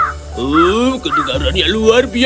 oh kedengarannya luar biasa